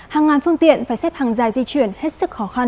hàng ngàn phương tiện phải xếp hàng dài di chuyển hết sức khó khăn